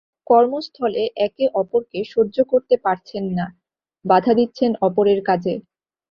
কর্মস্থলে একে অপরকে সহ্য করতে পারছেন না, বাধা দিচ্ছেন অপরের কাজে।